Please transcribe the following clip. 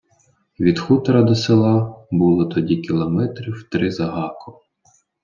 Від хутора до села було тоді кілометрів три з гаком.